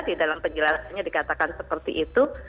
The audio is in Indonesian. di dalam penjelasannya dikatakan seperti itu